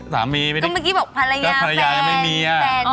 ก็เมื่อกี้บอกภรรยาแฟน